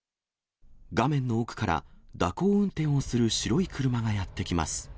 画面の奥から蛇行運転をする白い車がやって来ます。